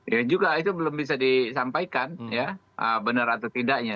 ya juga itu belum bisa disampaikan ya benar atau tidaknya